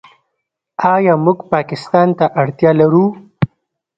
آیا موږ پاکستان ته اړتیا لرو؟